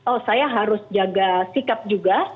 oh saya harus jaga sikap juga